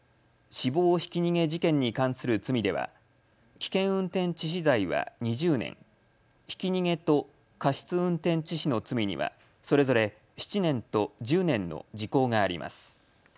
死亡ひき逃げ事件に関する罪では危険運転致死罪は２０年、ひき逃げと過失運転致死の罪にはそれぞれ７年と、１０年の時効があります。